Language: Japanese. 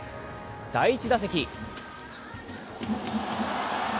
第１打席。